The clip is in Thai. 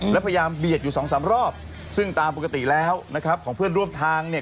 และพยายามเบียดอยู่สองสามรอบซึ่งตามปกติแล้วนะครับของเพื่อนร่วมทางเนี่ย